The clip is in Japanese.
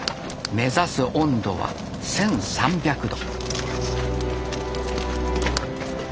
目指す温度は１，３００℃。